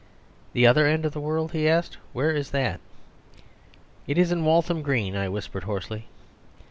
"The other end of the world?" he asked. "Where is that?" "It is in Walham Green," I whispered hoarsely.